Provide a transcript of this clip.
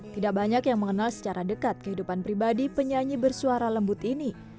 tidak banyak yang mengenal secara dekat kehidupan pribadi penyanyi bersuara lembut ini